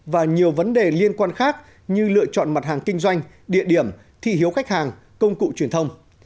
và nhiều vấn đề liên quan khác như lựa chọn mặt hàng kinh doanh địa điểm thi hiếu khách hàng công cụ truyền thông